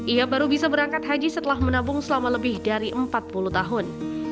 ia baru bisa berangkat haji setelah menabung selama lebih dari empat puluh tahun